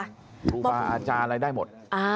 ครูบาอาจารย์อะไรได้หมด